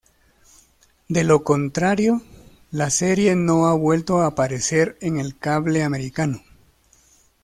De lo contrario, la serie no ha vuelto a aparecer en el cable americano.